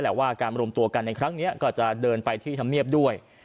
ว่าการรวมตัวกันในครั้งนี้ก็จะเดินไปที่ธรรมเนียบด้วย